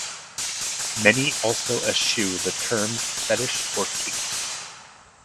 Many also eschew the terms "fetish" or "kink".